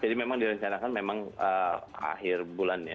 jadi memang direncanakan memang akhir bulan ya